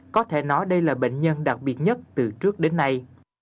có thể nói đây là bệnh nhân đặc biệt nhất từ trước đến nay